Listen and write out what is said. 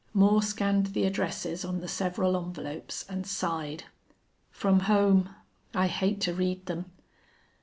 Moore scanned the addresses on the several envelopes and sighed. "From home! I hate to read them."